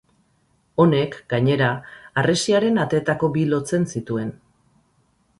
Honek, gainera, harresiaren ateetako bi lotzen zituen.